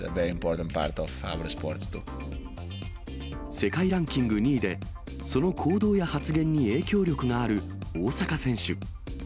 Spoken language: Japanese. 世界ランキング２位で、その行動や発言に影響力のある大坂選手。